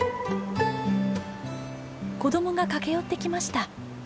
子どもが駆け寄ってきました。